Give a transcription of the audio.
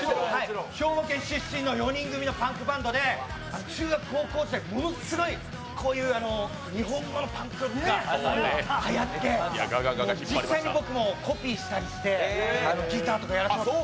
兵庫県出身の４人組のパンクバンドで中学・高校時代、ものすごいこういう日本語のパンクロックがはやって実際に僕もコピーしたりしてギターとかやらせてもらって。